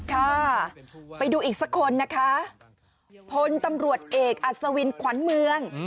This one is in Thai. ค่ะไปดูอีกสักคนนะคะพลตำรวจเอกอัศวินขวัญเมือง